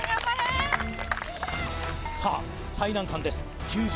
さあ最難関です